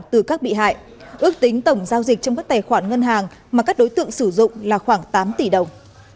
từ các bị hại ước tính tổng giao dịch trong các tài khoản ngân hàng mà các đối tượng sử dụng là khoảng tám tỷ đồng